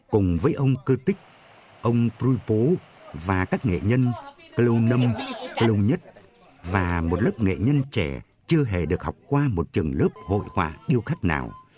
cùng với ông cư tích ông truy bố và các nghệ nhân cầu năm cầu nhất và một lớp nghệ nhân trẻ chưa hề được học qua một trường lớp hội hòa điêu khắc nào